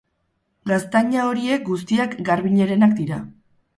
Gaztaina horiek guztiak Garbiñerenak dira.